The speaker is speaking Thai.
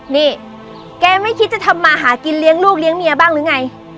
นี่แกไม่คิดจะทำมาหากินเลี้ยงลูกเลี้ยงเมียบ้างหรือไง